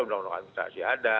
undang undang administrasi ada